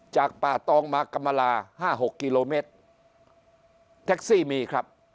จากป่าตองมากำลาห้าหกกิโลเมตรแท็กซี่มีครับ